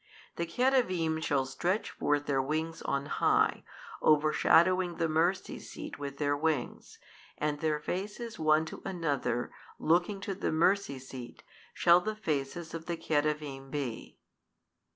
The cherubim shall stretch forth their wings on high, overshadowing the mercy seat with their wings and, their faces one to another, looking to the mercy seat shall the faces of the cherubim be.